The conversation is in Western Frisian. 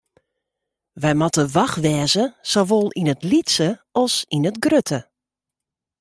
Wy moatte wach wêze, sawol yn it lytse as yn it grutte.